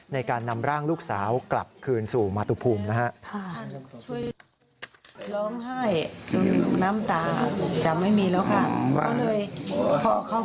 ในการนำร่างลูกสาวกลับคืนสู่มาตุภูมินะครับ